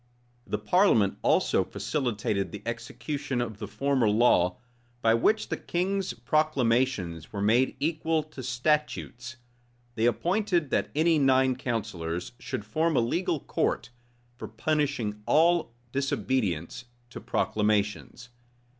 [*] The parliament also facilitated the execution of the former law by which the king's proclamations were made equal to statutes: they appointed that any nine counsellors should form a legal court for punishing all disobedience to proclamations.